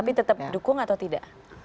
tapi tetap dukung atau tidak